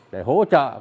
để hỗ trợ